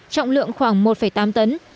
trọng lượng khoảng một tám tấn